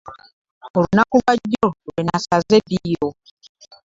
Olunaku lwa jjo lwe nasaze eddiiro.